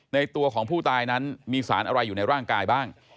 ตัวของผู้ตายนั้นมีสารอะไรอยู่ในร่างกายบ้าง